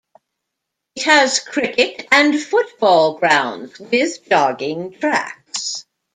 It has cricket and football grounds with jogging tracks.